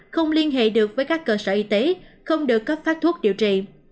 không liên hệ được với các cơ sở y tế không được cấp phát thuốc điều trị